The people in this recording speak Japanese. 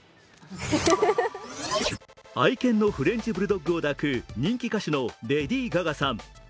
愛犬のフレンチブルドッグを抱く人気歌手のレディー・ガガさん。